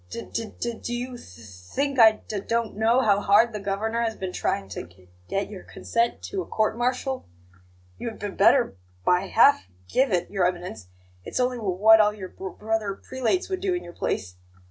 D d do you th th think I d d don't know how hard the Governor has been trying to g get your consent to a court martial? You had b better by half g give it, Your Eminence; it's only w what all your b brother prelates would do in your place.